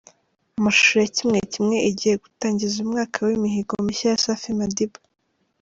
Amashusho ya “Kimwe Kimwe” igiye gutangiza umwaka w’imihigo mishya ya Safi Madiba.